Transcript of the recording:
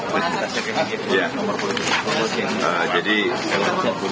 pertama kami kita sewa